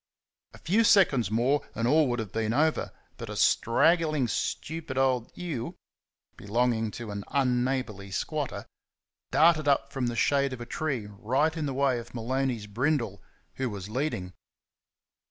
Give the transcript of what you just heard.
A few seconds more and all would have been over, but a straggling, stupid old ewe, belonging to an unneighbourly squatter, darted up from the shade of a tree right in the way of Maloney's Brindle, who was leading.